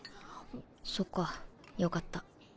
そっかよかった。